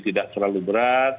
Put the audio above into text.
tidak terlalu berat